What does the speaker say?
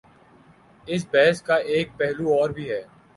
اس بحث کا ایک پہلو اور بھی ہے۔